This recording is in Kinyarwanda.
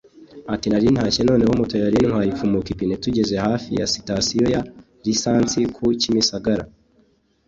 Ati “Nari ntashye noneho moto yari intwaye ipfumuka ipine tugeze hafi ya sitasiyo ya lisansi ku Kimisagra